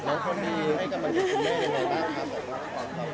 มันก็คาจะเป็นความปกติ